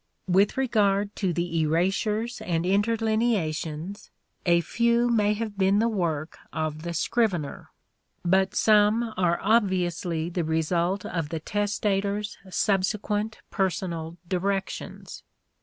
" With rsgard to the erasures and interlineations, a few may have been the work of the scrivener ... but some are obviously the result of the testator's subsequent personal directions.